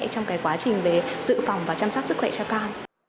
trong quá trình về dự phòng và chăm sóc sức khỏe cho con